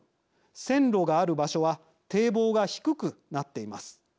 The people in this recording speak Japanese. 線路がある場所は堤防が低くなっています。